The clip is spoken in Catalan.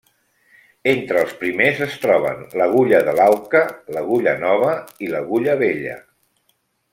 Entre els primers es troben l'Agulla de l'Auca, l'Agulla Nova i l'Agulla Vella.